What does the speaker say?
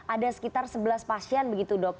ada sekitar sebelas pasien begitu dok